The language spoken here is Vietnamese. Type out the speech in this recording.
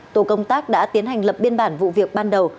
tổ công tác đã tiến hành lập biên bản vụ việc ban đầu